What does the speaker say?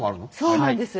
そうなんです。